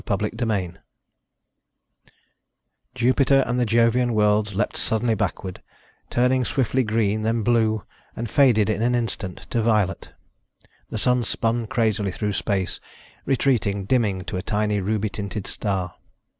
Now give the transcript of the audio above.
CHAPTER EIGHTEEN Jupiter and the Jovian worlds leaped suddenly backward, turned swiftly green, then blue, and faded in an instant into violet. The Sun spun crazily through space, retreating, dimming to a tiny ruby tinted star.